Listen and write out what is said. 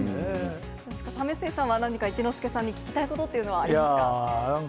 為末さんは、何か一之輔さんに聞きたいことっていうのはありますか？